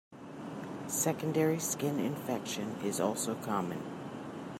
Secondary skin infection is also common.